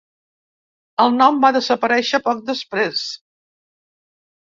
El nom va desaparèixer poc després.